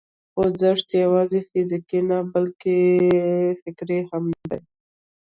خوځښت یوازې فزیکي نه، فکري هم دی.